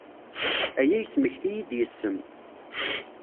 Aya yesmekti-iyi-d yes-m.